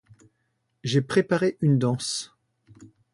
J'ai préparé une danse.